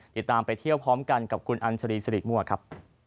ติดตามไปเที่ยวพร้อมกันกับคุณอัญชรีสิริมั่วครับ